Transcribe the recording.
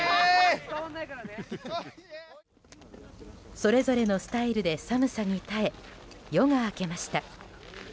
それぞれのスタイルで寒さに耐え、夜が明けました。